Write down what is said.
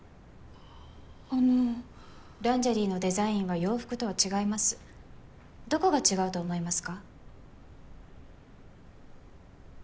あのランジェリーのデザインは洋服とは違いますどこが違うと思いますか？